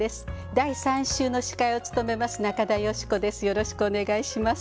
第３週の司会を務めます中田喜子です。